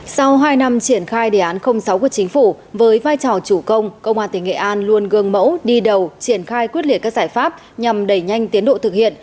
sau hai năm triển khai đề án sáu của chính phủ với vai trò chủ công công an tỉnh nghệ an luôn gương mẫu đi đầu triển khai quyết liệt các giải pháp nhằm đẩy nhanh tiến độ thực hiện